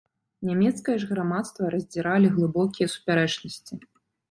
Нямецкае ж грамадства раздзіралі глыбокія супярэчнасці.